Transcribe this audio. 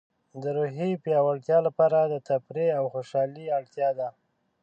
د روحیې د پیاوړتیا لپاره د تفریح او خوشحالۍ اړتیا ده.